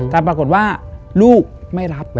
แต่ปรากฏว่าลูกไม่รับ